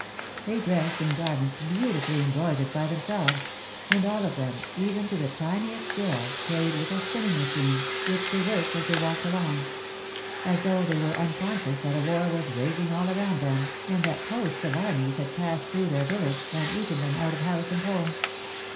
They dressed in garments beautifully embroidered by themselves, and all of them, even to the tiniest girls, carried little spinning machines, which they worked as they walked along, — as though they were un conscious that a war was raging all around them, and that hosts of armies had passed through their village and eaten them out of house and home.